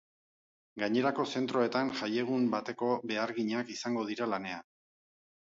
Gainerako zentroetan jaiegun bateko beharginak izango dira lanean.